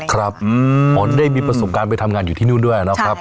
ครับผมได้มีประสบการณ์ไปทำงานอยู่ที่นู่นด้วยนะครับ